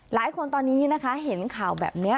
หลายคนตอนนี้นะคะเห็นข่าวแบบนี้